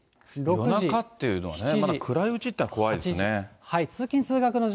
夜中っていうのがね、まだ暗いうちっていうのは怖いですね。